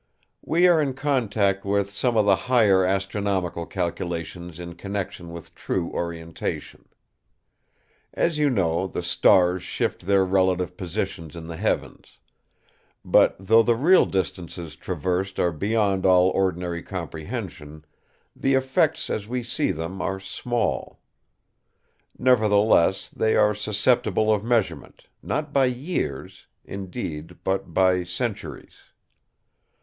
We are in contact with some of the higher astronomical calculations in connection with true orientation. As you know, the stars shift their relative positions in the heavens; but though the real distances traversed are beyond all ordinary comprehension, the effects as we see them are small. Nevertheless, they are susceptible of measurement, not by years, indeed, but by centuries.